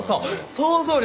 想像力。